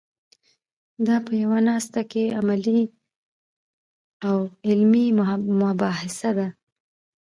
دا په یوه ناسته کې عملي او علمي مباحثه ده.